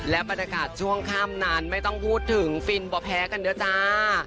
และบรรยากาศช่วงค่ำนั้นไม่ต้องพูดถึงฟินบ่อแพ้กันด้วยจ้า